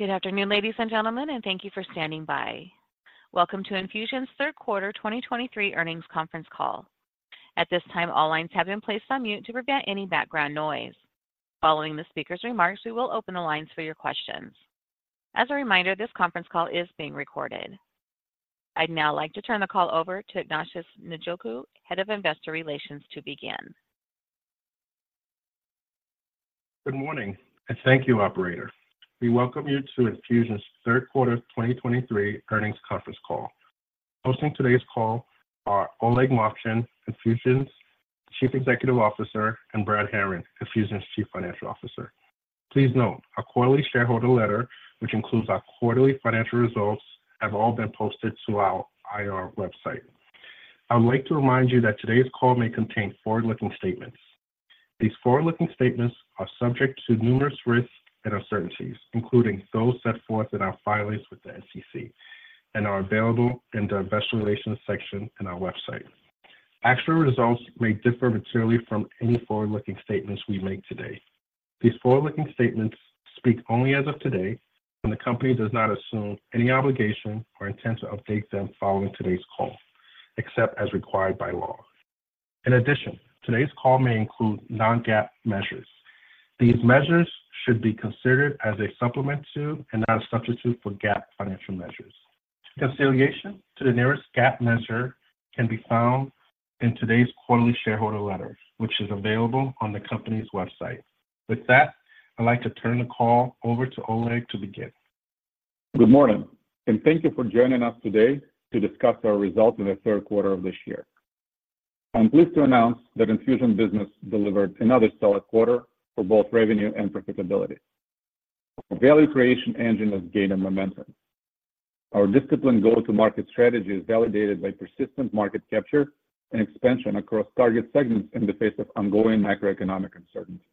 Good afternoon, ladies and gentlemen, and thank you for standing by. Welcome to Enfusion's third quarter 2023 earnings conference call. At this time, all lines have been placed on mute to prevent any background noise. Following the speaker's remarks, we will open the lines for your questions. As a reminder, this conference call is being recorded. I'd now like to turn the call over to Ignatius Njoku, Head of Investor Relations, to begin. Good morning, and thank you, operator. We welcome you to Enfusion's third quarter 2023 earnings conference call. Hosting today's call are Oleg Movchan, Enfusion's Chief Executive Officer, and Brad Herring, Enfusion's Chief Financial Officer. Please note, our quarterly shareholder letter, which includes our quarterly financial results, have all been posted to our IR website. I would like to remind you that today's call may contain forward-looking statements. These forward-looking statements are subject to numerous risks and uncertainties, including those set forth in our filings with the SEC, and are available in the Investor Relations section on our website. Actual results may differ materially from any forward-looking statements we make today. These forward-looking statements speak only as of today, and the Company does not assume any obligation or intent to update them following today's call, except as required by law. In addition, today's call may include non-GAAP measures. These measures should be considered as a supplement to and not a substitute for GAAP financial measures. Reconciliation to the nearest GAAP measure can be found in today's quarterly shareholder letter, which is available on the company's website. With that, I'd like to turn the call over to Oleg to begin. Good morning, and thank you for joining us today to discuss our results in the third quarter of this year. I'm pleased to announce that Enfusion delivered another solid quarter for both revenue and profitability. Our value creation engine has gained momentum. Our disciplined go-to-market strategy is validated by persistent market capture and expansion across target segments in the face of ongoing macroeconomic uncertainty.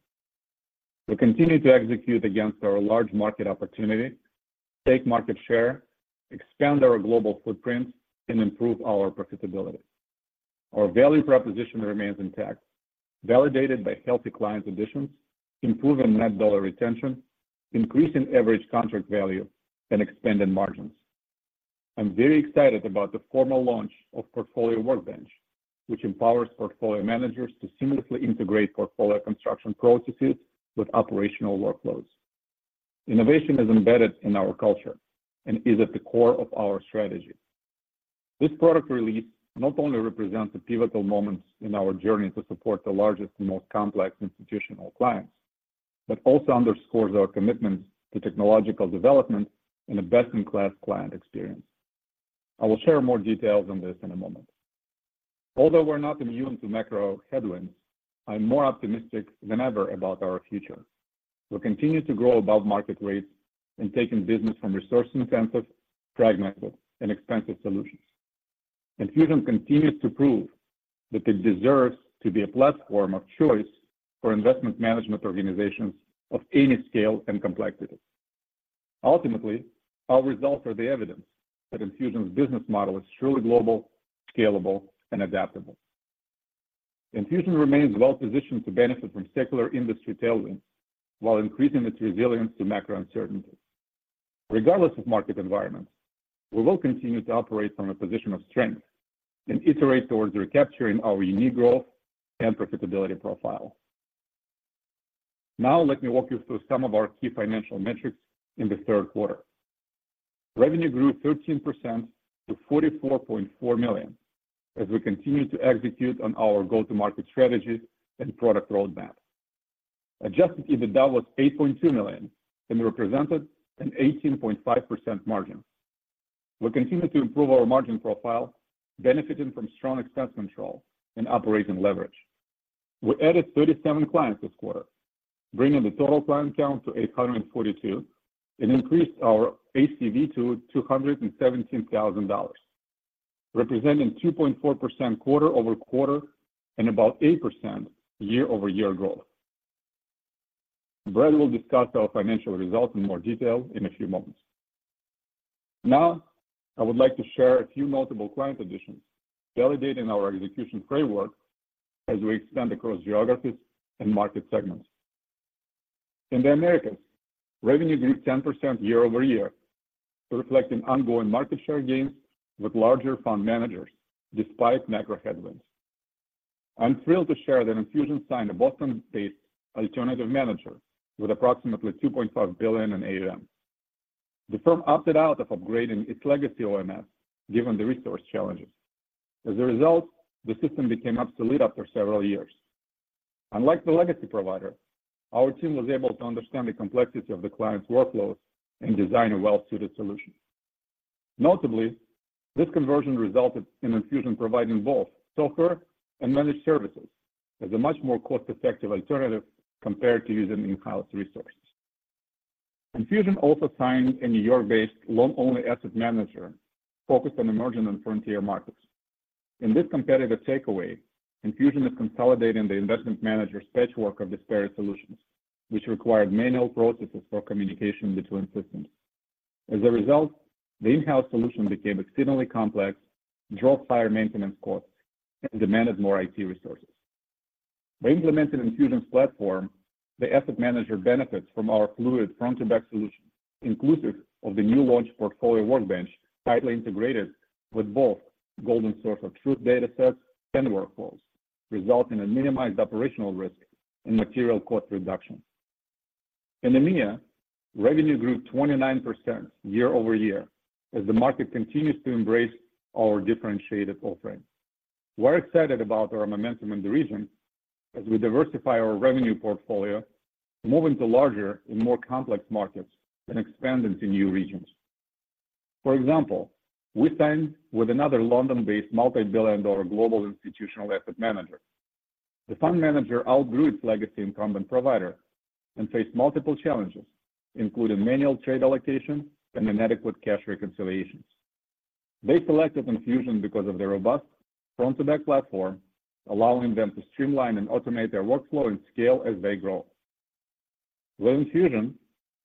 We continue to execute against our large market opportunity, take market share, expand our global footprint, and improve our profitability. Our value proposition remains intact, validated by healthy client additions, improving net dollar retention, increasing average contract value, and expanding margins. I'm very excited about the formal launch of Portfolio Workbench, which empowers portfolio managers to seamlessly integrate portfolio construction processes with operational workloads. Innovation is embedded in our culture and is at the core of our strategy. This product release not only represents a pivotal moment in our journey to support the largest and most complex institutional clients, but also underscores our commitment to technological development and a best-in-class client experience. I will share more details on this in a moment. Although we're not immune to macro headwinds, I'm more optimistic than ever about our future. We'll continue to grow above market rates and taking business from resource-intensive, fragmented, and expensive solutions. Enfusion continues to prove that it deserves to be a platform of choice for investment management organizations of any scale and complexity. Ultimately, our results are the evidence that Enfusion's business model is truly global, scalable, and adaptable. Enfusion remains well-positioned to benefit from secular industry tailwinds while increasing its resilience to macro uncertainties. Regardless of market environment, we will continue to operate from a position of strength and iterate towards recapturing our unique growth and profitability profile. Now, let me walk you through some of our key financial metrics in the third quarter. Revenue grew 13% to $44.4 million as we continue to execute on our go-to-market strategy and product roadmap. Adjusted EBITDA was $8.2 million and represented an 18.5% margin. We continue to improve our margin profile, benefiting from strong expense control and operating leverage. We added 37 clients this quarter, bringing the total client count to 842, and increased our ACV to $217,000, representing 2.4% quarter-over-quarter and about 8% year-over-year growth. Brad will discuss our financial results in more detail in a few moments. Now, I would like to share a few notable client additions, validating our execution framework as we expand across geographies and market segments. In the Americas, revenue grew 10% year-over-year, reflecting ongoing market share gains with larger fund managers despite macro headwinds. I'm thrilled to share that Enfusion signed a Boston-based alternative manager with approximately $2.5 billion in AUM. The firm opted out of upgrading its legacy OMS, given the resource challenges. As a result, the system became obsolete after several years. Unlike the legacy provider, our team was able to understand the complexity of the client's workflows and design a well-suited solution. Notably, this conversion resulted in Enfusion providing both software and managed services as a much more cost-effective alternative compared to using in-house resources. Enfusion also signed a New York-based loan-only asset manager focused on emerging and frontier markets. In this competitive takeaway, Enfusion is consolidating the investment manager's patchwork of disparate solutions, which required manual processes for communication between systems. As a result, the in-house solution became exceedingly complex, drove higher maintenance costs, and demanded more IT resources.... By implementing Enfusion's platform, the asset manager benefits from our fluid front-to-back solution, inclusive of the new launch Portfolio Workbench, tightly integrated with both golden source of truth data sets and workflows, resulting in a minimized operational risk and material cost reduction. In EMEA, revenue grew 29% year-over-year, as the market continues to embrace our differentiated offering. We're excited about our momentum in the region as we diversify our revenue portfolio, move into larger and more complex markets, and expand into new regions. For example, we signed with another London-based, multi-billion dollar global institutional asset manager. The fund manager outgrew its legacy incumbent provider and faced multiple challenges, including manual trade allocation and inadequate cash reconciliations. They selected Enfusion because of their robust front-to-back platform, allowing them to streamline and automate their workflow and scale as they grow. With Enfusion,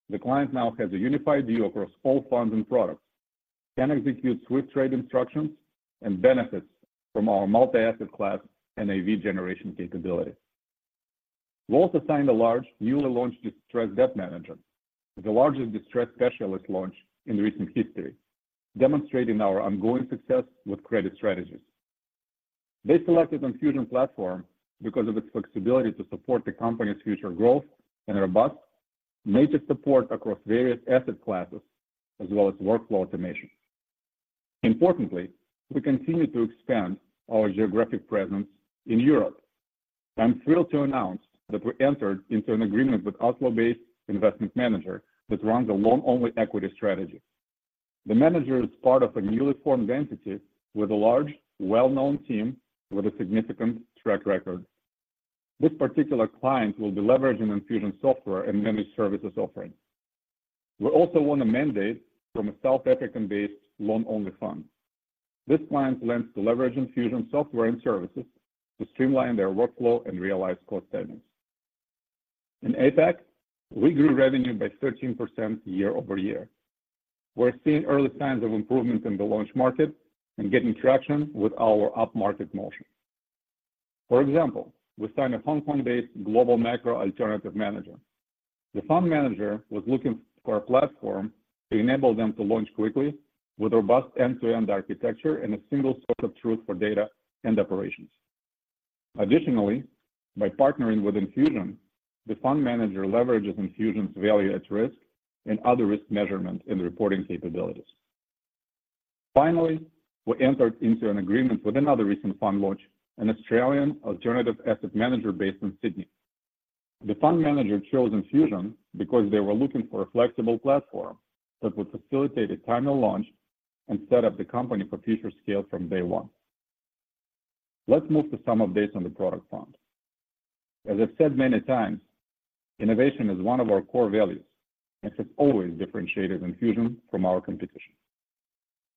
the client now has a unified view across all funds and products, can execute swift trade instructions, and benefits from our multi-asset class and AV generation capabilities. We also signed a large, newly launched distressed debt manager, the largest distressed specialist launch in recent history, demonstrating our ongoing success with credit strategies. They selected Enfusion platform because of its flexibility to support the company's future growth and robust major support across various asset classes, as well as workflow automation. Importantly, we continue to expand our geographic presence in Europe. I'm thrilled to announce that we entered into an agreement with Oslo-based investment manager that runs a loan-only equity strategy. The manager is part of a newly formed entity with a large, well-known team with a significant track record. This particular client will be leveraging Enfusion software and managed services offering. We also won a mandate from a South African-based loan-only fund. This client plans to leverage Enfusion software and services to streamline their workflow and realize cost savings. In APAC, we grew revenue by 13% year-over-year. We're seeing early signs of improvement in the launch market and getting traction with our upmarket motion. For example, we signed a Hong Kong-based global macro alternative manager. The fund manager was looking for a platform to enable them to launch quickly with robust end-to-end architecture and a single source of truth for data and operations. Additionally, by partnering with Enfusion, the fund manager leverages Enfusion's value at risk and other risk measurement in the reporting capabilities. Finally, we entered into an agreement with another recent fund launch, an Australian alternative asset manager based in Sydney. The fund manager chose Enfusion because they were looking for a flexible platform that would facilitate a timely launch and set up the company for future scale from day one. Let's move to some updates on the product front. As I've said many times, innovation is one of our core values, and has always differentiated Enfusion from our competition.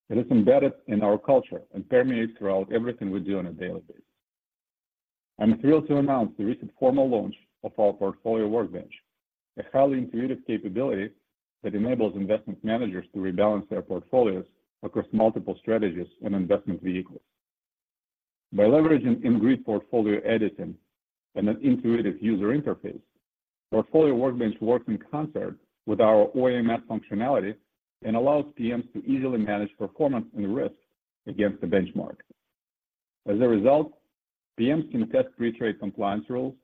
It is embedded in our culture and permeates throughout everything we do on a daily basis. I'm thrilled to announce the recent formal launch of our Portfolio Workbench, a highly intuitive capability that enables investment managers to rebalance their portfolios across multiple strategies and investment vehicles. By leveraging in-grid portfolio editing and an intuitive user interface, Portfolio Workbench works in concert with our OMS functionality and allows PMs to easily manage performance and risk against the benchmark. As a result, PMs can test pre-trade compliance rules,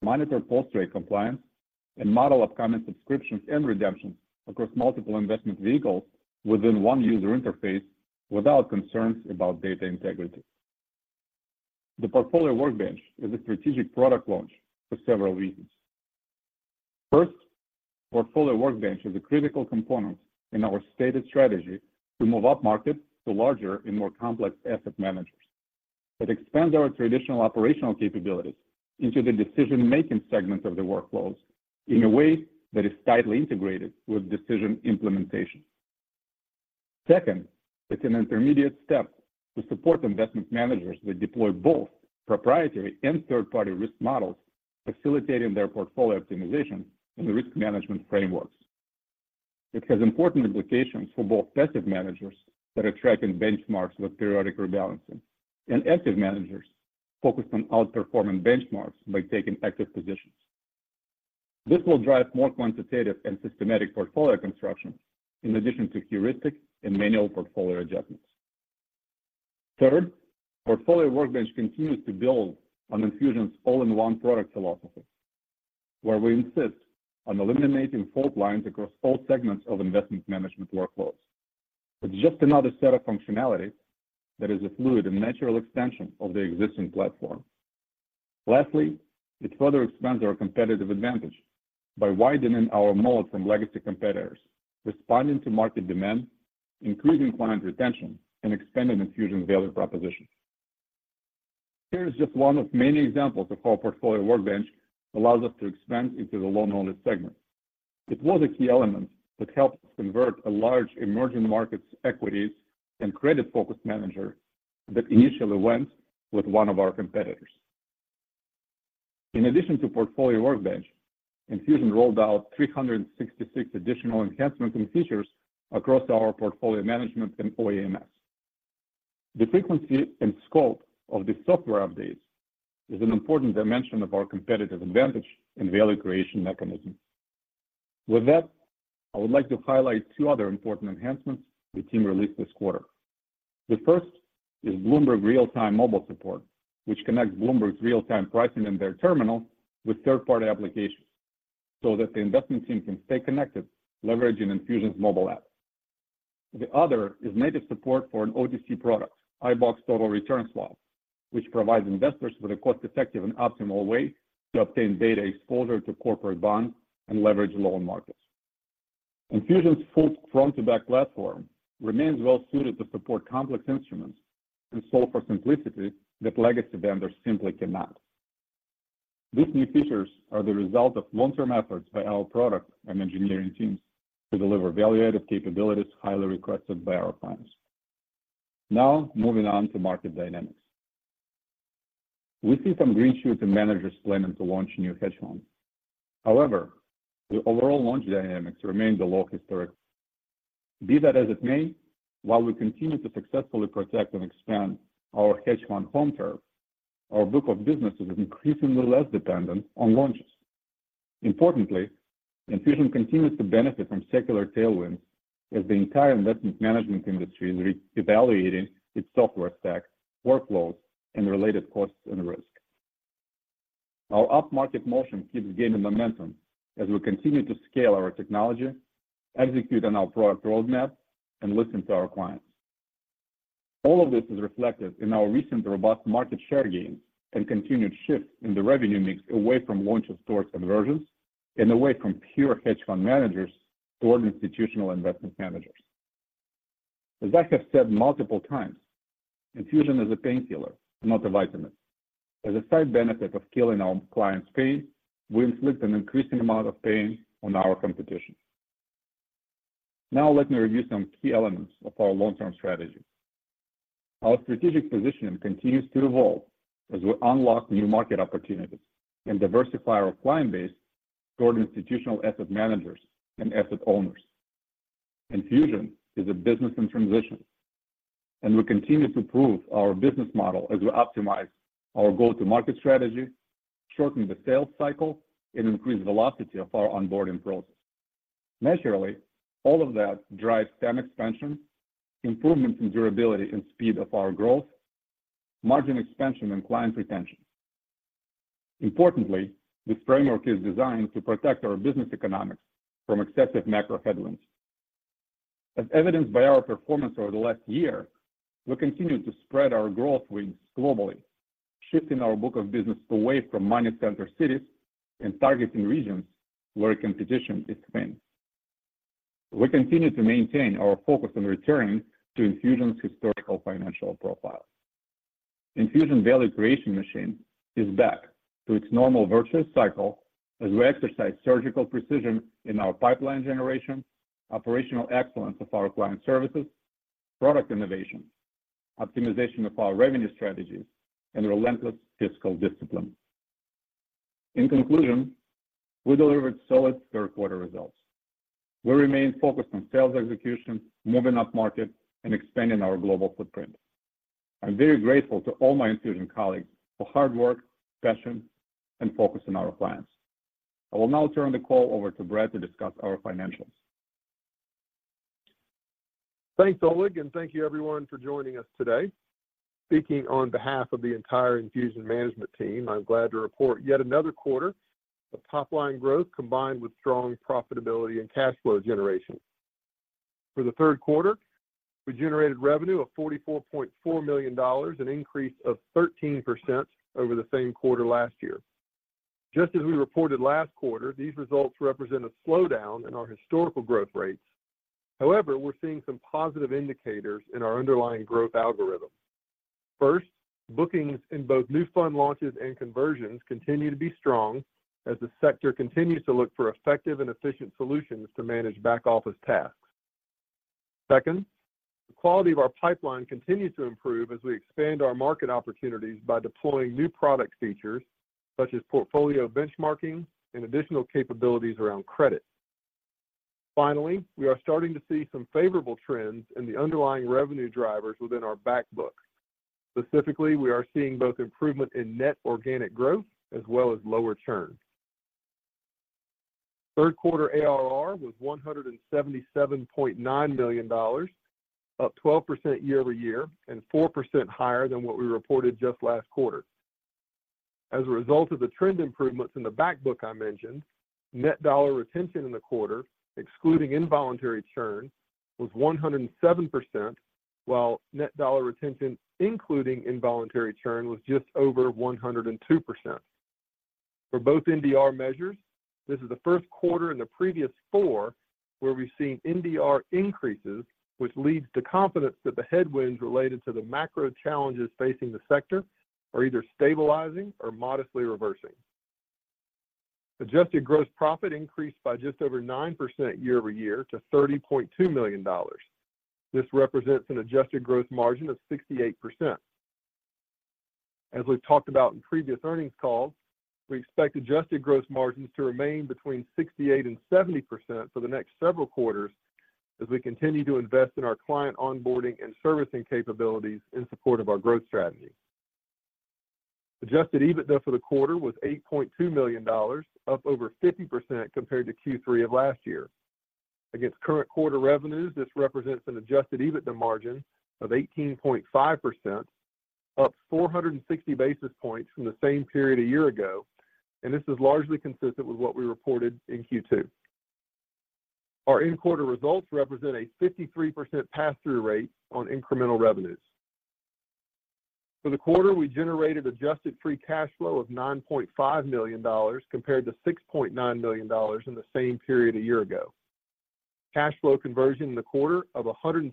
monitor post-trade compliance, and model upcoming subscriptions and redemptions across multiple investment vehicles within one user interface without concerns about data integrity. The Portfolio Workbench is a strategic product launch for several reasons. First, Portfolio Workbench is a critical component in our stated strategy to move upmarket to larger and more complex asset managers. It expands our traditional operational capabilities into the decision-making segment of the workflows in a way that is tightly integrated with decision implementation. Second, it's an intermediate step to support investment managers that deploy both proprietary and third-party risk models, facilitating their portfolio optimization and the risk management frameworks. It has important implications for both passive managers that are tracking benchmarks with periodic rebalancing, and active managers focused on outperforming benchmarks by taking active positions. This will drive more quantitative and systematic portfolio construction, in addition to heuristic and manual portfolio adjustments. Third, Portfolio Workbench continues to build on Enfusion's all-in-one product philosophy, where we insist on eliminating fault lines across all segments of investment management workflows. It's just another set of functionality that is a fluid and natural extension of the existing platform. Lastly, it further expands our competitive advantage by widening our moat from legacy competitors, responding to market demand, increasing client retention, and expanding Enfusion's value proposition. Here's just one of many examples of how Portfolio Workbench allows us to expand into the loan-only segment. It was a key element that helped convert a large emerging markets equities and credit-focused manager that initially went with one of our competitors. In addition to Portfolio Workbench, Enfusion rolled out 366 additional enhancements and features across our portfolio management and OMS. The frequency and scope of the software updates is an important dimension of our competitive advantage and value creation mechanism. With that, I would like to highlight two other important enhancements the team released this quarter. The first is Bloomberg real-time mobile support, which connects Bloomberg's real-time pricing in their terminal with third-party applications, so that the investment team can stay connected, leveraging Enfusion's mobile app. The other is native support for an OTC product, iBoxx Total Return Swap, which provides investors with a cost-effective and optimal way to obtain exposure to corporate bonds and leveraged loan markets. Enfusion's full front-to-back platform remains well suited to support complex instruments and solve for simplicity that legacy vendors simply cannot. These new features are the result of long-term efforts by our product and engineering teams to deliver value-added capabilities highly requested by our clients. Now, moving on to market dynamics. We see some green shoots and managers planning to launch new hedge funds. However, the overall launch dynamics remains at a historic low. Be that as it may, while we continue to successfully protect and expand our hedge fund home turf, our book of business is increasingly less dependent on launches. Importantly, Enfusion continues to benefit from secular tailwinds as the entire investment management industry is reevaluating its software stack, workflows, and the related costs and risk. Our upmarket motion keeps gaining momentum as we continue to scale our technology, execute on our product roadmap, and listen to our clients. All of this is reflected in our recent robust market share gains and continued shift in the revenue mix away fromlaunches or smaller conversions and away from pure hedge fund managers toward institutional investment managers. As I have said multiple times, Enfusion is a painkiller, not a vitamin. As a side benefit of killing our clients' pain, we inflict an increasing amount of pain on our competition. Now, let me review some key elements of our long-term strategy. Our strategic positioning continues to evolve as we unlock new market opportunities and diversify our client base toward institutional asset managers and asset owners. Enfusion is a business in transition, and we continue to prove our business model as we optimize our go-to-market strategy, shorten the sales cycle, and increase the velocity of our onboarding process. Measurably, all of that drives TAM expansion, improvements in durability and speed of our growth, margin expansion, and client retention. Importantly, this framework is designed to protect our business economics from excessive macro headwinds. As evidenced by our performance over the last year, we continue to spread our growth wings globally, shifting our book of business away from money-center cities and targeting regions where competition is thin. We continue to maintain our focus on returning to Enfusion's historical financial profile. Enfusion's value creation machine is back to its normal virtuous cycle as we exercise surgical precision in our pipeline generation, operational excellence of our client services, product innovation, optimization of our revenue strategies, and relentless fiscal discipline. In conclusion, we delivered solid third quarter results. We remain focused on sales execution, moving upmarket, and expanding our global footprint. I'm very grateful to all my Enfusion colleagues for hard work, passion, and focus on our clients. I will now turn the call over to Brad to discuss our financials. Thanks, Oleg, and thank you everyone for joining us today. Speaking on behalf of the entire Enfusion management team, I'm glad to report yet another quarter of top-line growth, combined with strong profitability and cash flow generation. For the third quarter, we generated revenue of $44.4 million, an increase of 13% over the same quarter last year. Just as we reported last quarter, these results represent a slowdown in our historical growth rates. However, we're seeing some positive indicators in our underlying growth algorithm. First, bookings in both new fund launches and conversions continue to be strong as the sector continues to look for effective and efficient solutions to manage back-office tasks. Second, the quality of our pipeline continues to improve as we expand our market opportunities by deploying new product features such as portfolio benchmarking and additional capabilities around credit. Finally, we are starting to see some favorable trends in the underlying revenue drivers within our back books. Specifically, we are seeing both improvement in net organic growth as well as lower churn. Third quarter ARR was $177.9 million, up 12% year-over-year and 4% higher than what we reported just last quarter. As a result of the trend improvements in the back book I mentioned, net dollar retention in the quarter, excluding involuntary churn, was 107%, while net dollar retention, including involuntary churn, was just over 102%. For both NDR measures, this is the first quarter in the previous four where we've seen NDR increases, which leads to confidence that the headwinds related to the macro challenges facing the sector are either stabilizing or modestly reversing. Adjusted gross profit increased by just over 9% year-over-year to $30.2 million. This represents an adjusted gross margin of 68%.... As we've talked about in previous earnings calls, we expect adjusted gross margins to remain between 68% and 70% for the next several quarters as we continue to invest in our client onboarding and servicing capabilities in support of our growth strategy. Adjusted EBITDA for the quarter was $8.2 million, up over 50% compared to Q3 of last year. Against current quarter revenues, this represents an adjusted EBITDA margin of 18.5%, up 460 basis points from the same period a year ago, and this is largely consistent with what we reported in Q2. Our end quarter results represent a 53% pass-through rate on incremental revenues. For the quarter, we generated adjusted free cash flow of $9.5 million, compared to $6.9 million in the same period a year ago. Cash flow conversion in the quarter of 116%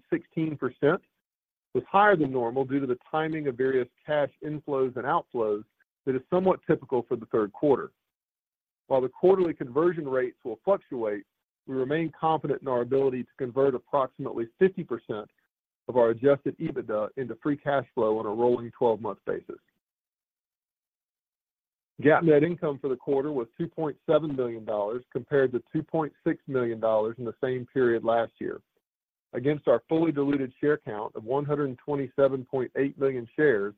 was higher than normal due to the timing of various cash inflows and outflows that is somewhat typical for the third quarter. While the quarterly conversion rates will fluctuate, we remain confident in our ability to convert approximately 50% of our Adjusted EBITDA into free cash flow on a rolling twelve-month basis. GAAP net income for the quarter was $2.7 million, compared to $2.6 million in the same period last year. Against our fully diluted share count of 127.8 million shares,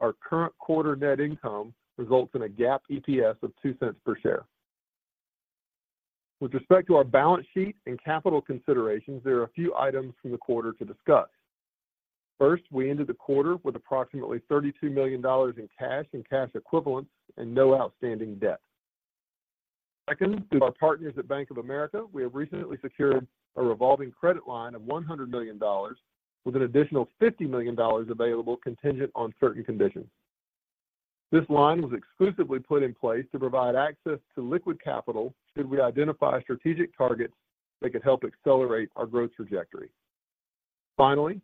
our current quarter net income results in a GAAP EPS of $0.02 per share. With respect to our balance sheet and capital considerations, there are a few items from the quarter to discuss. First, we ended the quarter with approximately $32 million in cash and cash equivalents and no outstanding debt. Second, through our partners at Bank of America, we have recently secured a revolving credit line of $100 million, with an additional $50 million available contingent on certain conditions. This line was exclusively put in place to provide access to liquid capital should we identify strategic targets that could help accelerate our growth trajectory. Finally,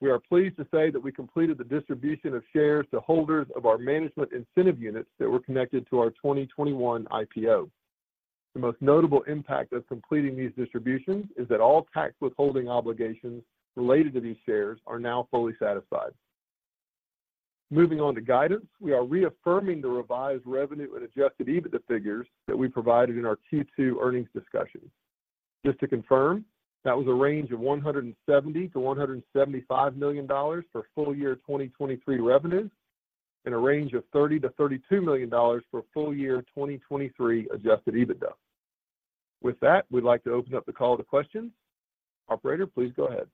we are pleased to say that we completed the distribution of shares to holders of our management incentive units that were connected to our 2021 IPO. The most notable impact of completing these distributions is that all tax withholding obligations related to these shares are now fully satisfied. Moving on to guidance, we are reaffirming the revised revenue and Adjusted EBITDA figures that we provided in our Q2 earnings discussion. Just to confirm, that was a range of $170 million-$175 million for full year 2023 revenues, and a range of $30 million-$32 million for full year 2023 Adjusted EBITDA. With that, we'd like to open up the call to questions. Operator, please go ahead.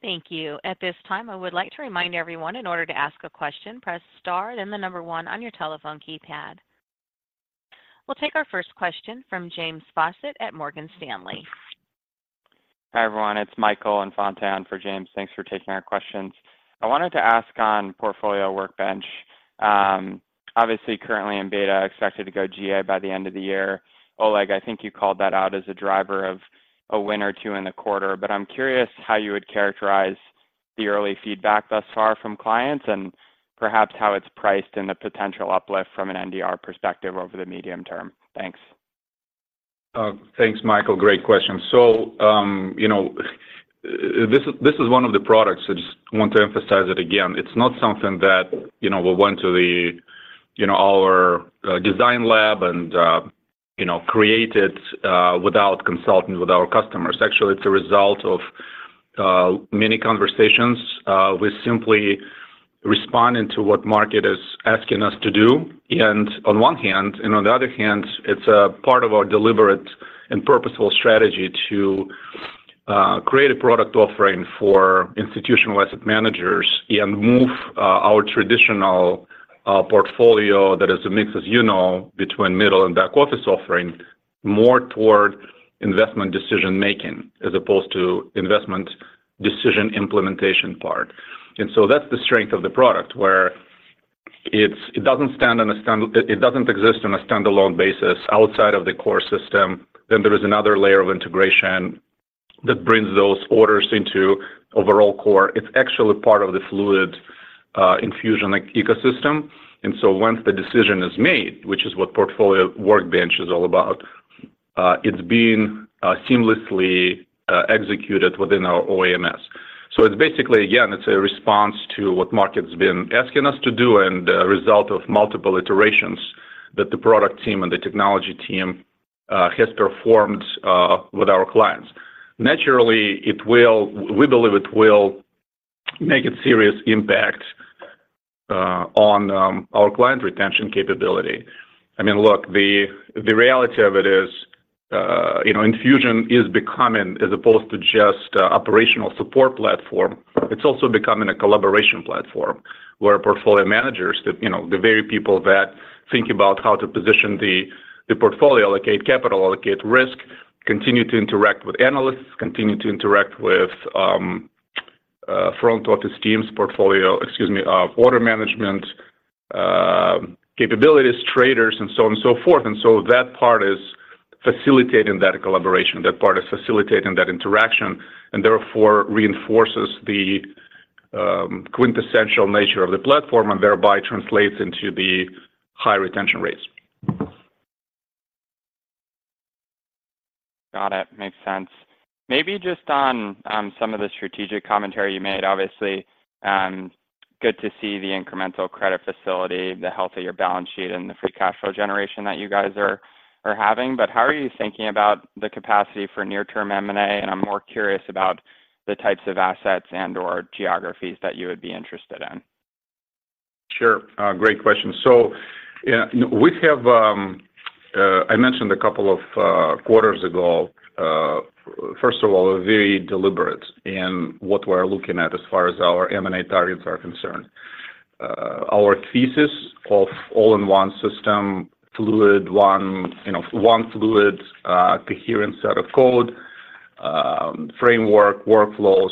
Thank you. At this time, I would like to remind everyone, in order to ask a question, press star, then the number one on your telephone keypad. We'll take our first question from James Faucette at Morgan Stanley. Hi, everyone, it's Michael Infante for James. Thanks for taking our questions. I wanted to ask on Portfolio Workbench, obviously currently in beta, expected to go GA by the end of the year. Oleg, I think you called that out as a driver of a win or two in the quarter, but I'm curious how you would characterize the early feedback thus far from clients and perhaps how it's priced in the potential uplift from an NDR perspective over the medium term. Thanks. Thanks, Michael. Great question. So, you know, this is one of the products. I just want to emphasize it again. It's not something that, you know, we went to the, you know, our design lab and, you know, created without consulting with our customers. Actually, it's a result of many conversations. We're simply responding to what market is asking us to do and on one hand, and on the other hand, it's a part of our deliberate and purposeful strategy to create a product offering for institutional asset managers and move our traditional portfolio that is a mix, as you know, between middle and back office offering, more toward investment decision-making as opposed to investment decision implementation part. And so that's the strength of the product, where it's, it doesn't stand on a stand... It doesn't exist on a standalone basis outside of the core system. Then there is another layer of integration that brings those orders into overall core. It's actually part of the fluid, Enfusion ecosystem, and so once the decision is made, which is what Portfolio Workbench is all about, it's being seamlessly executed within our OMS. So it's basically, again, it's a response to what market's been asking us to do and a result of multiple iterations that the product team and the technology team has performed with our clients. Naturally, it will, we believe, it will make a serious impact on our client retention capability. I mean, look, the reality of it is, you know, Enfusion is becoming, as opposed to just operational support platform, it's also becoming a collaboration platform, where portfolio managers, you know, the very people that think about how to position the portfolio, allocate capital, allocate risk, continue to interact with analysts, continue to interact with front office teams, portfolio, excuse me, order management capabilities, traders, and so on and so forth. And so that part is facilitating that collaboration, that part is facilitating that interaction, and therefore reinforces the quintessential nature of the platform and thereby translates into the high retention rates.... Got it. Makes sense. Maybe just on some of the strategic commentary you made, obviously good to see the incremental credit facility, the health of your balance sheet, and the free cash flow generation that you guys are having. But how are you thinking about the capacity for near-term M&A? And I'm more curious about the types of assets and/or geographies that you would be interested in. Sure. Great question. So, we have, I mentioned a couple of quarters ago, first of all, we're very deliberate in what we're looking at as far as our M&A targets are concerned. Our thesis of all-in-one system, fluid one, you know, one fluid, coherent set of code, framework, workflows,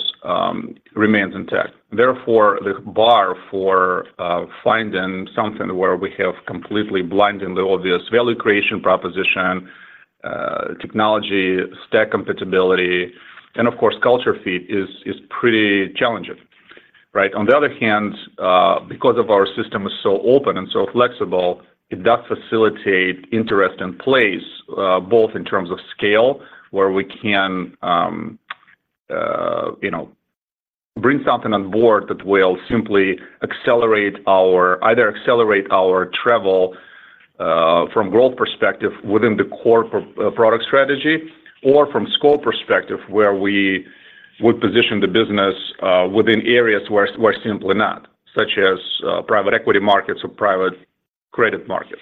remains intact. Therefore, the bar for finding something where we have completely blindingly obvious value creation, proposition, technology, stack compatibility, and of course, culture fit is pretty challenging, right? On the other hand, because our system is so open and so flexible, it does facilitate interest in place, both in terms of scale, where we can, you know, bring something on board that will simply accelerate our travel from growth perspective within the core product strategy, or from scope perspective, where we would position the business within areas where we're simply not, such as private equity markets or private credit markets.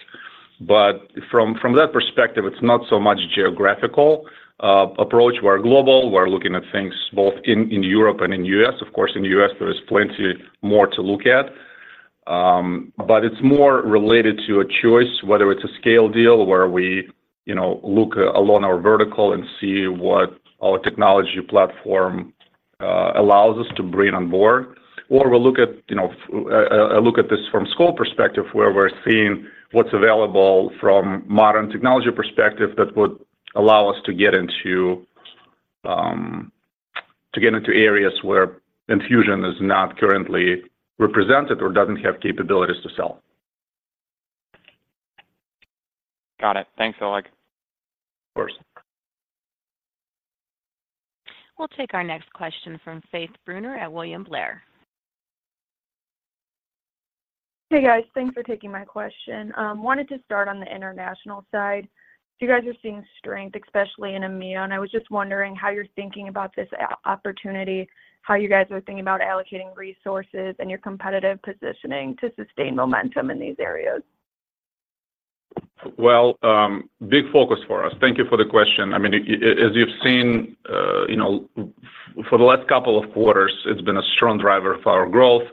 But from that perspective, it's not so much geographical approach. We're global. We're looking at things both in Europe and in U.S. Of course, in the U.S., there is plenty more to look at. But it's more related to a choice, whether it's a scale deal where we, you know, look along our vertical and see what our technology platform allows us to bring on board, or we'll look at, you know, look at this from scope perspective, where we're seeing what's available from modern technology perspective that would allow us to get into areas where Enfusion is not currently represented or doesn't have capabilities to sell. Got it. Thanks, Oleg. Of course. We'll take our next question from Faith Brunner at William Blair. Hey, guys. Thanks for taking my question. Wanted to start on the international side. You guys are seeing strength, especially in EMEA, and I was just wondering how you're thinking about this opportunity, how you guys are thinking about allocating resources, and your competitive positioning to sustain momentum in these areas. Well, big focus for us. Thank you for the question. I mean, as you've seen, you know, for the last couple of quarters, it's been a strong driver for our growth,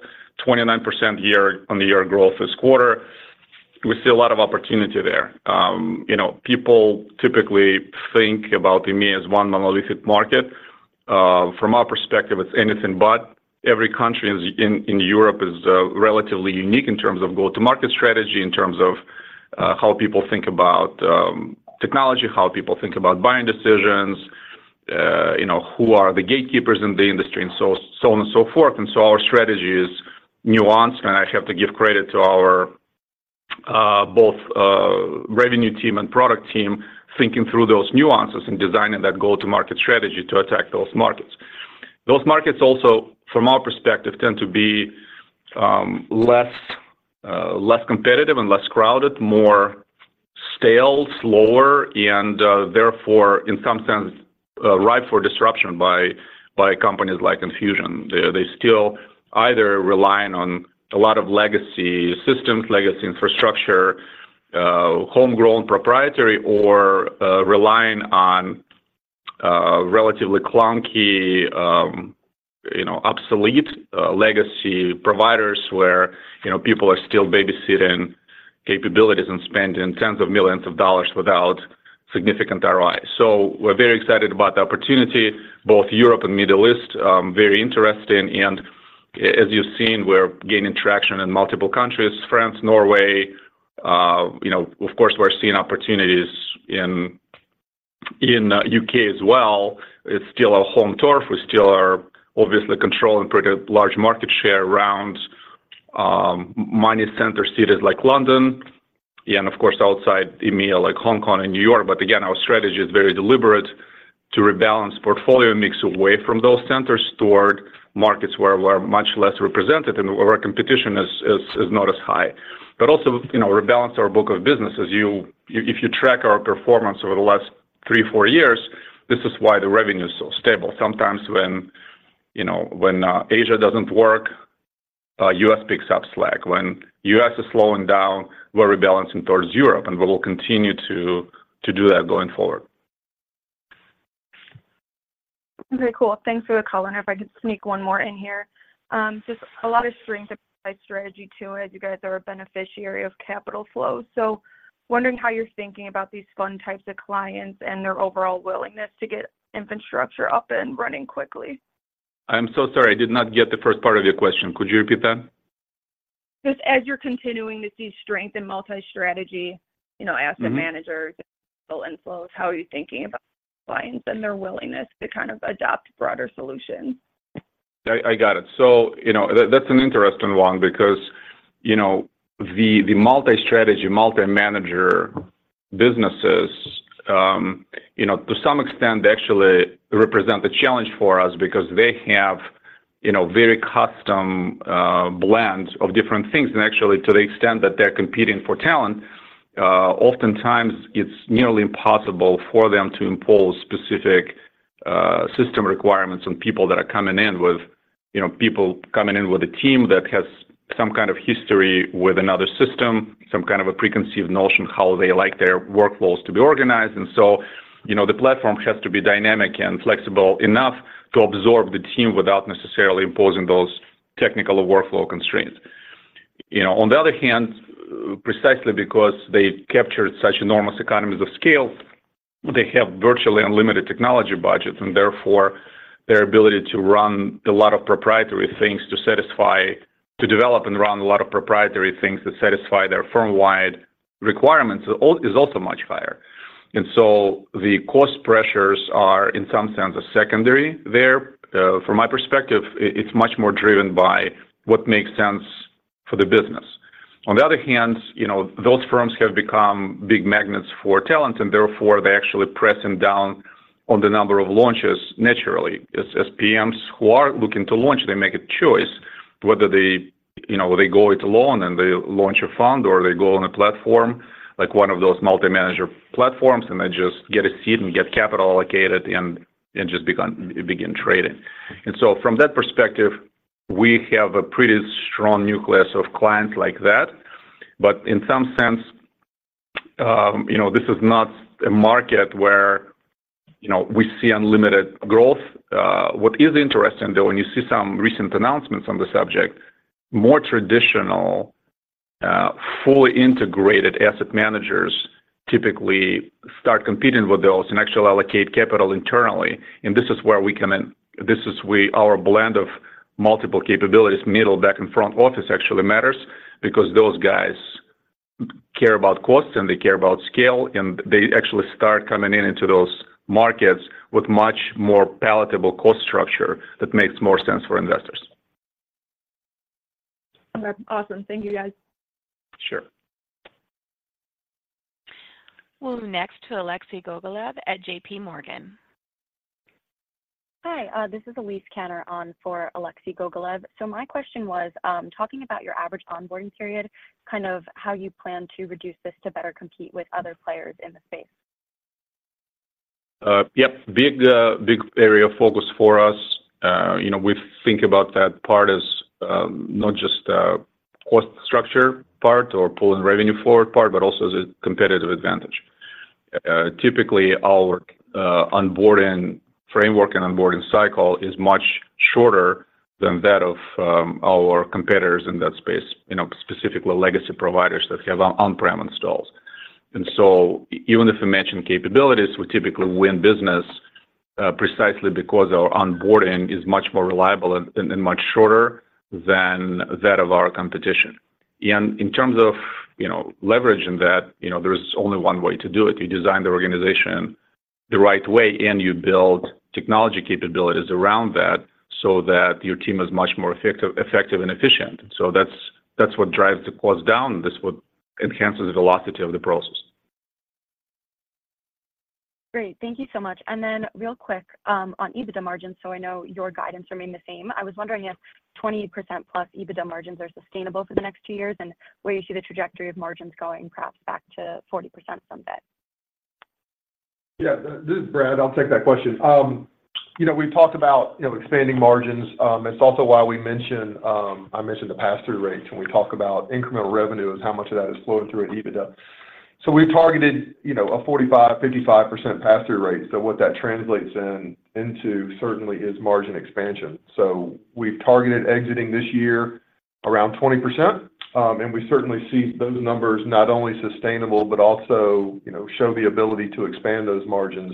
29% year-over-year growth this quarter. We see a lot of opportunity there. You know, people typically think about EMEA as one monolithic market. From our perspective, it's anything but. Every country in Europe is relatively unique in terms of go-to-market strategy, in terms of how people think about technology, how people think about buying decisions, you know, who are the gatekeepers in the industry, and so on and so forth. And so our strategy is nuanced, and I have to give credit to our both revenue team and product team, thinking through those nuances and designing that go-to-market strategy to attack those markets. Those markets also, from our perspective, tend to be less, less competitive and less crowded, more stale, slower, and therefore, in some sense, ripe for disruption by companies like Enfusion. They still either relying on a lot of legacy systems, legacy infrastructure, homegrown, proprietary, or relying on relatively clunky, you know, obsolete legacy providers, where, you know, people are still babysitting capabilities and spending tens of millions of dollars without significant ROI. So we're very excited about the opportunity. Both Europe and Middle East very interesting, and as you've seen, we're gaining traction in multiple countries: France, Norway. You know, of course, we're seeing opportunities in U.K. as well. It's still our home turf. We still are obviously controlling pretty large market share around in major center cities like London, and of course, outside EMEA, like Hong Kong and New York. But again, our strategy is very deliberate to rebalance portfolio mix away from those centers toward markets where we're much less represented and where competition is not as high. But also, you know, rebalance our book of business. As you— If you track our performance over the last three, four years, this is why the revenue is so stable. Sometimes when, you know, when Asia doesn't work, U.S. picks up slack. When U.S. is slowing down, we're rebalancing towards Europe, and we will continue to do that going forward. Okay, cool. Thanks for the call, and if I could sneak one more in here. Just a lot of strength in private strategy, too, as you guys are a beneficiary of capital flow. So, wondering how you're thinking about these fund types of clients and their overall willingness to get infrastructure up and running quickly. I'm so sorry. I did not get the first part of your question. Could you repeat that? Just as you're continuing to see strength in multi-strategy, you know, - Mm-hmm... asset managers and capital inflows, how are you thinking about clients and their willingness to kind of adopt broader solutions? I got it. So, you know, that's an interesting one because you know, the multi-strategy, multi-manager businesses, you know, to some extent, they actually represent a challenge for us because they have, you know, very custom blends of different things. And actually, to the extent that they're competing for talent, oftentimes it's nearly impossible for them to impose specific system requirements on people that are coming in with, you know, people coming in with a team that has some kind of history with another system, some kind of a preconceived notion of how they like their workflows to be organized. And so, you know, the platform has to be dynamic and flexible enough to absorb the team without necessarily imposing those technical or workflow constraints. You know, on the other hand, precisely because they've captured such enormous economies of scale, they have virtually unlimited technology budgets, and therefore, their ability to run a lot of proprietary things to satisfy-- to develop and run a lot of proprietary things that satisfy their firm-wide requirements is also much higher. And so the cost pressures are, in some sense, a secondary there. From my perspective, it's much more driven by what makes sense for the business. On the other hand, you know, those firms have become big magnets for talent, and therefore, they're actually pressing down on the number of launches naturally. As PMs who are looking to launch, they make a choice whether they, you know, they go it alone, and they launch a fund, or they go on a platform, like one of those multi-manager platforms, and they just get a seat and get capital allocated and just begin trading. And so from that perspective, we have a pretty strong nucleus of clients like that. But in some sense, you know, this is not a market where, you know, we see unlimited growth. What is interesting, though, and you see some recent announcements on the subject, more traditional, fully integrated asset managers typically start competing with those and actually allocate capital internally, and this is where we come in. This is our blend of multiple capabilities, middle, back, and front office, actually matters because those guys care about cost, and they care about scale, and they actually start coming in into those markets with much more palatable cost structure that makes more sense for investors. Okay. Awesome. Thank you, guys. Sure. We'll next to Alexei Gogolev at J.P. Morgan. Hi, this is Elise Cantor on for Alexei Gogolev. So my question was, talking about your average onboarding period, kind of how you plan to reduce this to better compete with other players in the space? Yep. Big, big area of focus for us. You know, we think about that part as, not just a cost structure part or pulling revenue forward part, but also as a competitive advantage. Typically, our onboarding framework and onboarding cycle is much shorter than that of, our competitors in that space, you know, specifically legacy providers that have on-prem installs. And so even if we mention capabilities, we typically win business, precisely because our onboarding is much more reliable and, and, and much shorter than that of our competition. And in terms of, you know, leveraging that, you know, there is only one way to do it. You design the organization the right way, and you build technology capabilities around that, so that your team is much more effective, effective, and efficient. So that's what drives the cost down, this what enhances the velocity of the process. Great. Thank you so much. And then real quick, on EBITDA margins, so I know your guidance remain the same. I was wondering if 20%+ EBITDA margins are sustainable for the next two years, and where you see the trajectory of margins going, perhaps back to 40% someday? Yeah, this is Brad. I'll take that question. You know, we've talked about, you know, expanding margins. It's also why we mentioned, I mentioned the pass-through rates when we talk about incremental revenue and how much of that is flowing through at EBITDA. So we've targeted, you know, a 45-55% pass-through rate. So what that translates in, into certainly is margin expansion. So we've targeted exiting this year around 20%, and we certainly see those numbers not only sustainable, but also, you know, show the ability to expand those margins,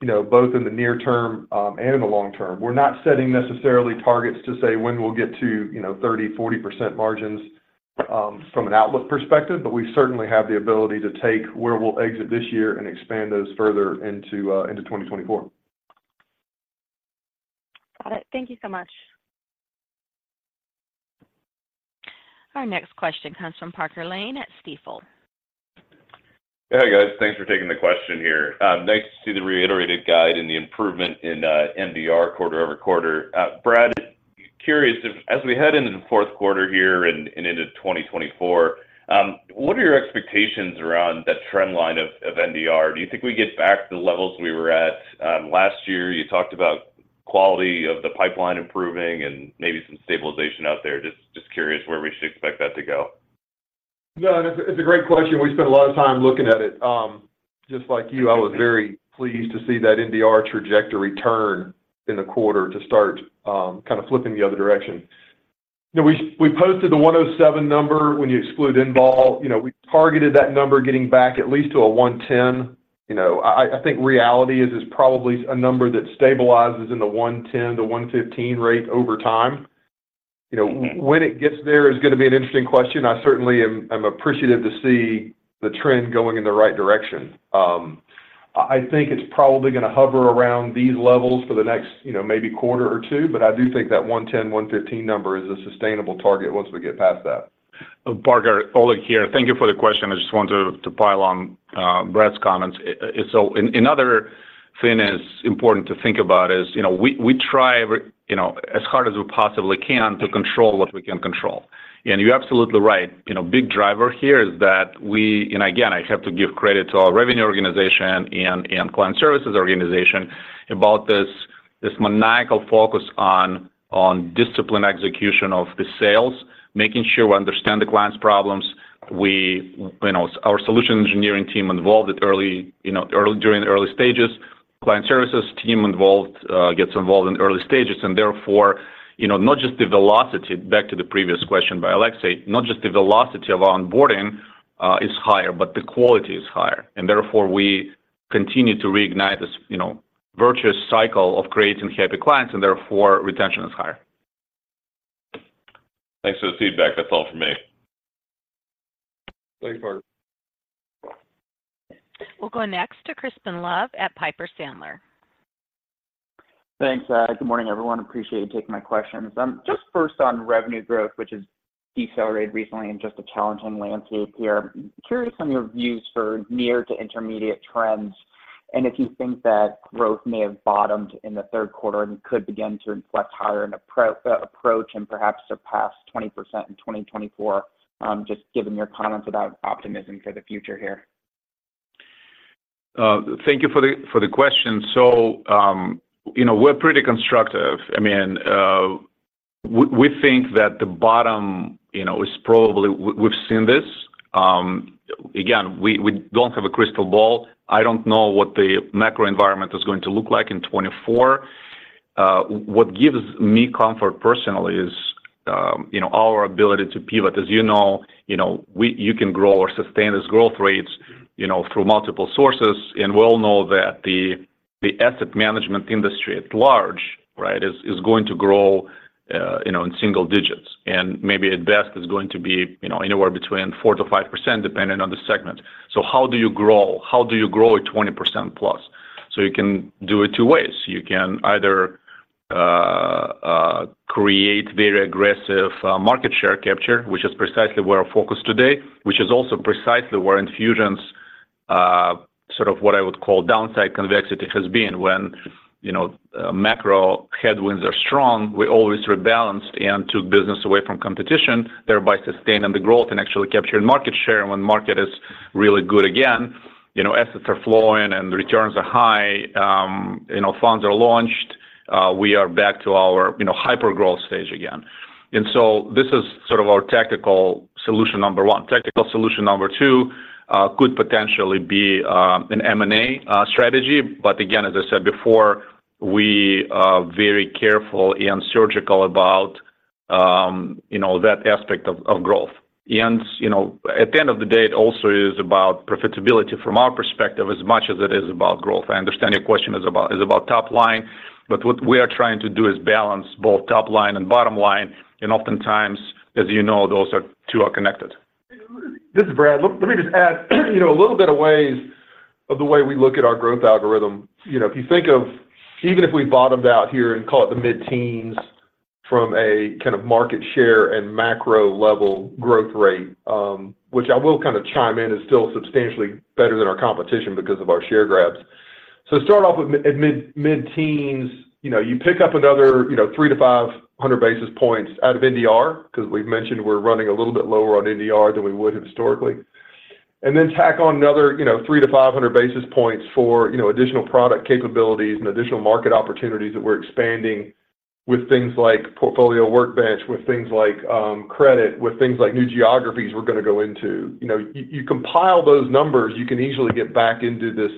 you know, both in the near term, and the long term. We're not setting necessarily targets to say when we'll get to, you know, 30%-40% margins, from an outlook perspective, but we certainly have the ability to take where we'll exit this year and expand those further into 2024. Got it. Thank you so much. Our next question comes from Parker Lane at Stifel. Hey, guys. Thanks for taking the question here. Nice to see the reiterated guide and the improvement in NDR quarter over quarter. Brad, curious, as we head into the fourth quarter here and, and into 2024, what are your expectations around that trend line of, of NDR? Do you think we get back to the levels we were at last year? You talked about quality of the pipeline improving and maybe some stabilization out there. Just, just curious where we should expect that to go. No, and it's a great question. We spent a lot of time looking at it. Just like you, I was very pleased to see that NDR trajectory turn in the quarter to start kind of flipping the other direction. You know, we posted the 107 number when you exclude in-vols. You know, we targeted that number getting back at least to a 110. You know, I think reality is probably a number that stabilizes in the 110-115 rate over time. You know, when it gets there is gonna be an interesting question. I certainly I'm appreciative to see the trend going in the right direction. So-... I think it's probably gonna hover around these levels for the next, you know, maybe quarter or two, but I do think that 110, 115 number is a sustainable target once we get past that. Parker, Oleg here. Thank you for the question. I just wanted to, to pile on, Brad's comments. So another thing that's important to think about is, you know, we try, you know, as hard as we possibly can to control what we can control. You're absolutely right. You know, big driver here is that we-- and again, I have to give credit to our revenue organization and client services organization about this, maniacal focus on discipline execution of the sales, making sure we understand the client's problems. You know, our solution engineering team involved at early, you know, early-- during the early stages, client services team involved, gets involved in the early stages, and therefore, you know, not just the velocity. Back to the previous question by Alexei, not just the velocity of our onboarding is higher, but the quality is higher, and therefore we continue to reignite this, you know, virtuous cycle of creating happy clients, and therefore, retention is higher. Thanks for the feedback. That's all for me. Thanks, Parker. We'll go next to Crispin Love at Piper Sandler. Thanks, good morning, everyone. Appreciate you taking my questions. Just first on revenue growth, which has decelerated recently in just a challenging landscape here. Curious on your views for near to intermediate trends, and if you think that growth may have bottomed in the third quarter and could begin to inflect higher and approach and perhaps surpass 20% in 2024, just given your comments about optimism for the future here. Thank you for the, for the question. So, you know, we're pretty constructive. I mean, we think that the bottom, you know, is probably-- we've seen this. Again, we don't have a crystal ball. I don't know what the macro environment is going to look like in 2024. What gives me comfort personally is, you know, our ability to pivot. As you know, you know, we-- you can grow or sustain this growth rates, you know, through multiple sources, and we all know that the, the asset management industry at large, right, is, is going to grow, you know, in single digits, and maybe at best is going to be, you know, anywhere between 4%-5%, depending on the segment. So how do you grow? How do you grow at 20%+? So you can do it two ways. You can either create very aggressive market share capture, which is precisely where our focus today, which is also precisely where Enfusion's sort of what I would call downside convexity has been when, you know, macro headwinds are strong, we always rebalanced and took business away from competition, thereby sustaining the growth and actually capturing market share. When market is really good again, you know, assets are flowing and the returns are high, you know, funds are launched, we are back to our, you know, hyper-growth stage again. And so this is sort of our tactical solution number one. Tactical solution number two could potentially be an M&A strategy. But again, as I said before, we are very careful and surgical about, you know, that aspect of growth. You know, at the end of the day, it also is about profitability from our perspective, as much as it is about growth. I understand your question is about top line, but what we are trying to do is balance both top line and bottom line, and oftentimes, as you know, those two are connected. This is Brad. Let me just add, you know, a little bit of ways of the way we look at our growth algorithm. You know, if you think of even if we bottomed out here and call it the mid-teens from a kind of market share and macro-level growth rate, which I will kind of chime in, is still substantially better than our competition because of our share grabs. So start off with at mid-teens. You know, you pick up another, you know, 300-500 basis points out of NDR, 'cause we've mentioned we're running a little bit lower on NDR than we would historically. And then tack on another, you know, 300-500 basis points for, you know, additional product capabilities and additional market opportunities that we're expanding with things like Portfolio Workbench, with things like credit, with things like new geographies we're gonna go into. You know, you, you compile those numbers, you can easily get back into this,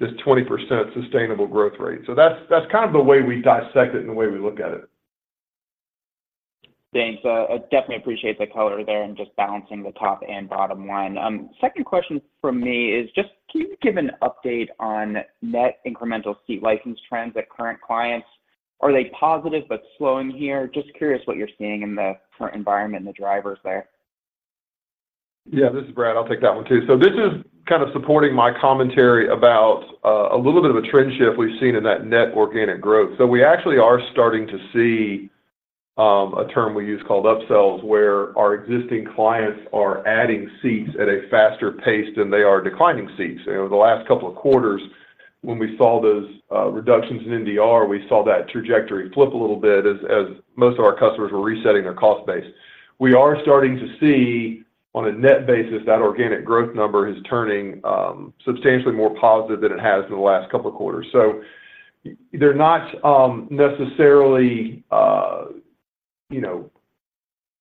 this 20% sustainable growth rate. So that's, that's kind of the way we dissect it and the way we look at it. Thanks. I definitely appreciate the color there and just balancing the top and bottom line. Second question from me is just, can you give an update on net incremental seat license trends at current clients? Are they positive but slowing here? Just curious what you're seeing in the current environment and the drivers there. Yeah, this is Brad. I'll take that one, too. So this is kind of supporting my commentary about a little bit of a trend shift we've seen in that net organic growth. So we actually are starting to see a term we use called upsells, where our existing clients are adding seats at a faster pace than they are declining seats. You know, the last couple of quarters, when we saw those reductions in NDR, we saw that trajectory flip a little bit as most of our customers were resetting their cost base. We are starting to see, on a net basis, that organic growth number is turning substantially more positive than it has in the last couple of quarters. So they're not necessarily, you know,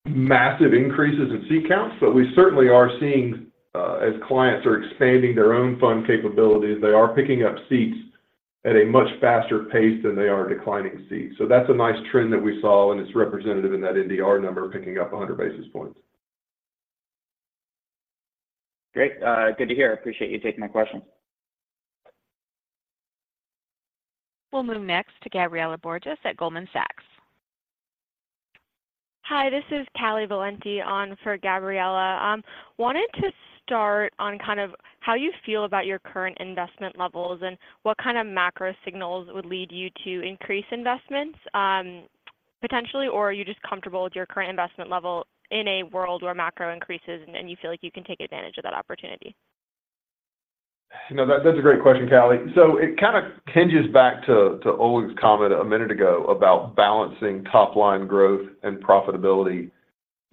massive increases in seat counts, but we certainly are seeing, as clients are expanding their own fund capabilities, they are picking up seats at a much faster pace than they are declining seats. So that's a nice trend that we saw, and it's representative in that NDR number, picking up 100 basis points. Great. Good to hear. I appreciate you taking my question. We'll move next to Gabriela Borges at Goldman Sachs. ... Hi, this is Callie Valenti on for Gabriela. Wanted to start on kind of how you feel about your current investment levels and what kind of macro signals would lead you to increase investments, potentially, or are you just comfortable with your current investment level in a world where macro increases, and, and you feel like you can take advantage of that opportunity? You know, that, that's a great question, Callie. So it kind of hinges back to, to Oleg's comment a minute ago about balancing top-line growth and profitability.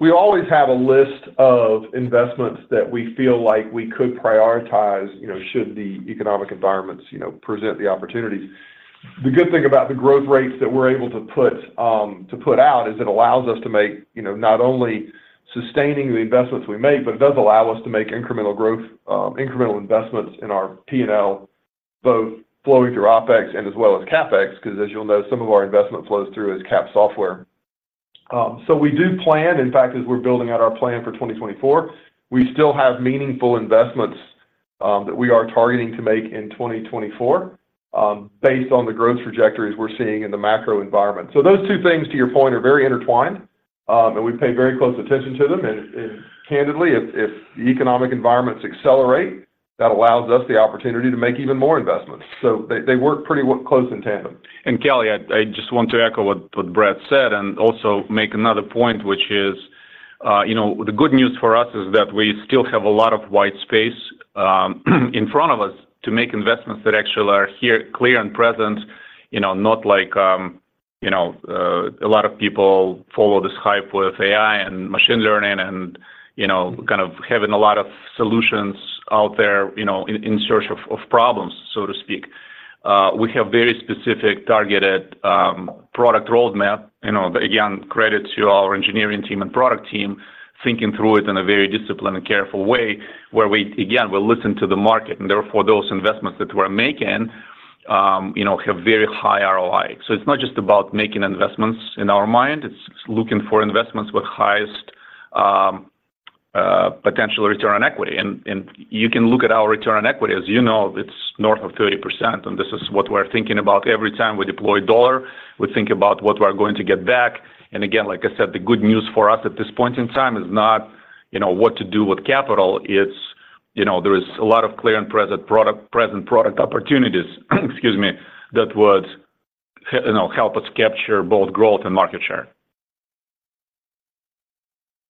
We always have a list of investments that we feel like we could prioritize, you know, should the economic environments, you know, present the opportunities. The good thing about the growth rates that we're able to put, to put out, is it allows us to make, you know, not only sustaining the investments we make, but it does allow us to make incremental growth, incremental investments in our P&L, both flowing through OpEx and as well as CapEx, 'cause as you'll know, some of our investment flows through as CapEx software. So we do plan, in fact, as we're building out our plan for 2024, we still have meaningful investments that we are targeting to make in 2024, based on the growth trajectories we're seeing in the macro environment. So those two things, to your point, are very intertwined, and we pay very close attention to them. And candidly, if the economic environments accelerate, that allows us the opportunity to make even more investments. So they work pretty close in tandem. And Callie, I just want to echo what Brad said, and also make another point, which is, you know, the good news for us is that we still have a lot of white space in front of us to make investments that actually are here, clear and present. You know, not like, you know, a lot of people follow this hype with AI and machine learning and, you know, kind of having a lot of solutions out there, you know, in search of problems, so to speak. We have very specific targeted product roadmap. You know, again, credit to our engineering team and product team, thinking through it in a very disciplined and careful way, where we, again, will listen to the market, and therefore, those investments that we're making, you know, have very high ROI. So it's not just about making investments in our mind, it's looking for investments with highest potential return on equity. And you can look at our return on equity, as you know, it's north of 30%, and this is what we're thinking about every time we deploy dollar, we think about what we're going to get back. And again, like I said, the good news for us at this point in time is not, you know, what to do with capital, it's, you know, there is a lot of clear and present product, present product opportunities, excuse me, that would you know, help us capture both growth and market share.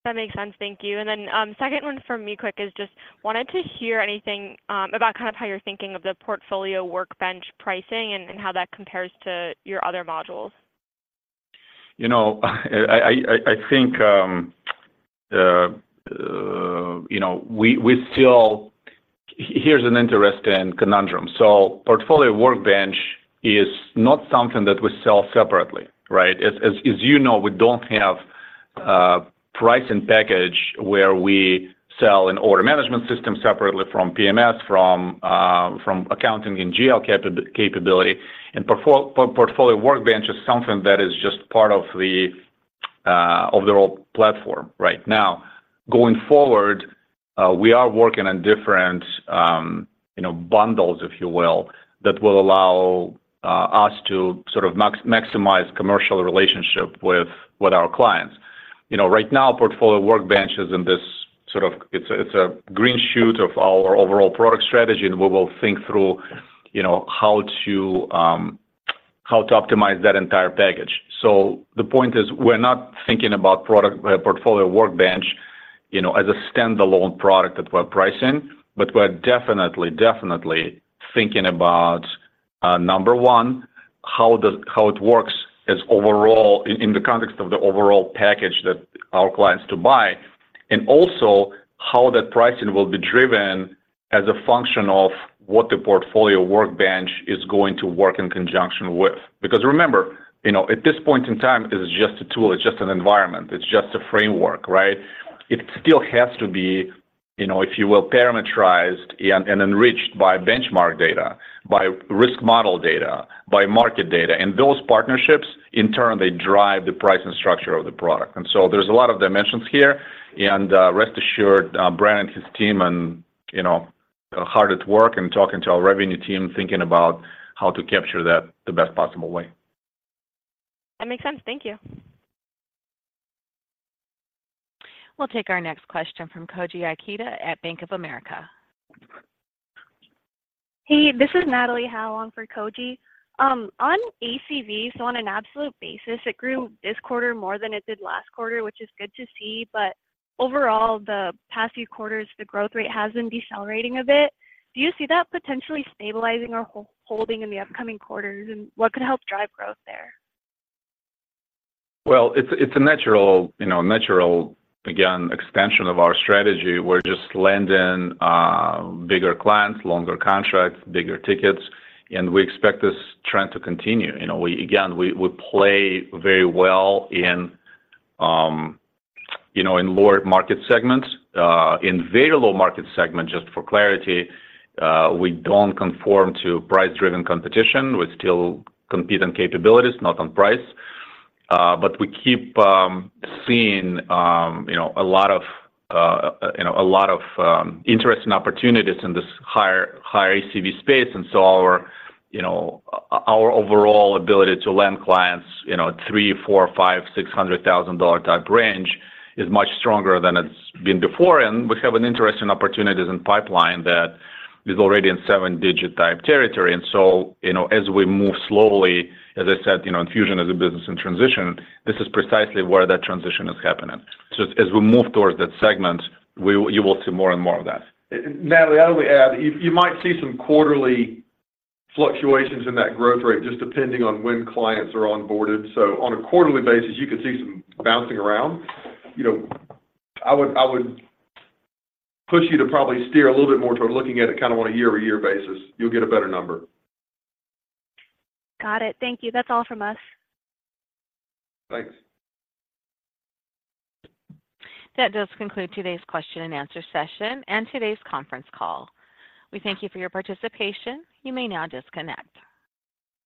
That makes sense. Thank you. And then, second one from me, quick, is just wanted to hear anything about kind of how you're thinking of the Portfolio Workbench pricing and, and how that compares to your other modules. You know, I think, you know, we still... Here's an interesting conundrum. So Portfolio Workbench is not something that we sell separately, right? As you know, we don't have a pricing package where we sell an order management system separately from PMS, from accounting and GL capability. And Portfolio Workbench is something that is just part of the overall platform right now. Going forward, we are working on different, you know, bundles, if you will, that will allow us to sort of maximize commercial relationship with our clients. You know, right now, Portfolio Workbench is in this sort of... It's a green shoot of our overall product strategy, and we will think through, you know, how to optimize that entire package. So the point is, we're not thinking about product, Portfolio Workbench, you know, as a standalone product that we're pricing, but we're definitely, definitely thinking about, number one, how the—how it works as overall, in the context of the overall package that our clients to buy, and also how that pricing will be driven as a function of what the Portfolio Workbench is going to work in conjunction with. Because remember, you know, at this point in time, it's just a tool, it's just an environment, it's just a framework, right? It still has to be, you know, if you will, parameterized and enriched by benchmark data, by risk model data, by market data. And those partnerships, in turn, they drive the pricing structure of the product. So there's a lot of dimensions here, and rest assured, Brian and his team and, you know, are hard at work and talking to our revenue team, thinking about how to capture that the best possible way. That makes sense. Thank you. We'll take our next question from Koji Ikeda at Bank of America. Hey, this is Natalie Howe on for Koji. On ACV, so on an absolute basis, it grew this quarter more than it did last quarter, which is good to see, but overall, the past few quarters, the growth rate has been decelerating a bit. Do you see that potentially stabilizing or holding in the upcoming quarters? And what could help drive growth there? Well, it's a natural, you know, natural again, expansion of our strategy. We're just landing bigger clients, longer contracts, bigger tickets, and we expect this trend to continue. You know, we again, we play very well in, you know, in lower market segments. In very low market segments, just for clarity, we don't conform to price-driven competition. We still compete on capabilities, not on price. But we keep seeing, you know, a lot of, you know, a lot of interest and opportunities in this higher, higher ACV space. And so our, you know, our overall ability to land clients, you know, $300,000-$600,000 type range, is much stronger than it's been before. And we have an interest in opportunities and pipeline that is already in seven-digit type territory. And so, you know, as we move slowly, as I said, you know, Enfusion is a business in transition. This is precisely where that transition is happening. So as we move towards that segment, we, you will see more and more of that. Natalie, I would add, you might see some quarterly fluctuations in that growth rate, just depending on when clients are onboarded. So on a quarterly basis, you could see some bouncing around. You know, I would push you to probably steer a little bit more toward looking at it kind of on a year-over-year basis. You'll get a better number. Got it. Thank you. That's all from us. Thanks. That does conclude today's question and answer session, and today's conference call. We thank you for your participation. You may now disconnect.